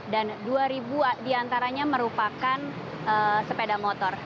dan dua diantaranya merupakan sepeda motor